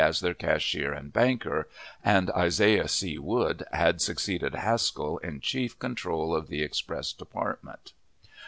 as their cashier and banker, and Isaiah C. Wood had succeeded Haskell in chief control of the express department.